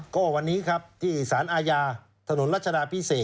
ก็วันนี้ที่สร้างอายาศนุนราชดาพิเศษ